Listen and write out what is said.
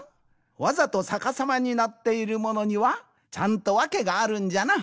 わざとさかさまになっているものにはちゃんとわけがあるんじゃな。